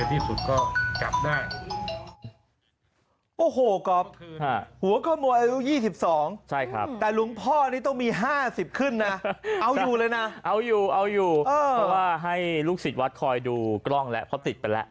เอาอยู่เพราะว่าให้ลูกศิษย์วัดคอยดูกล้องแหละเพราะติดไปแล้ว